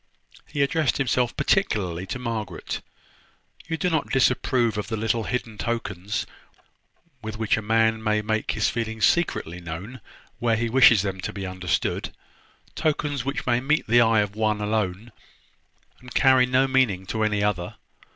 He addressed himself particularly to Margaret. "You do not disapprove of the little hidden tokens with which a man may make his feelings secretly known where he wishes them to be understood; tokens which may meet the eye of one alone, and carry no meaning to any other!